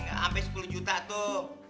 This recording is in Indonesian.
ga sampe sepuluh juta tuh